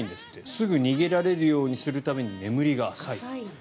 すぐ逃げられるようにするために眠りが浅い。